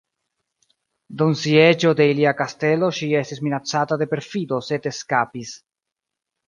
Dum sieĝo de ilia kastelo ŝi estis minacata de perfido sed eskapis.